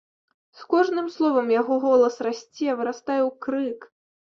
З кожным словам яго голас расце, вырастае ў крык.